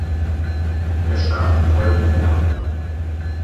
Er starb im folgenden Jahr.